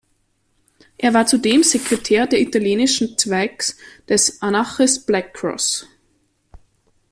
Er war zudem Sekretär der italienischen Zweigs des Anarchist Black Cross.